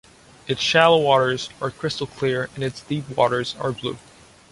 Its shallow waters are crystal clear and its deep waters are blue.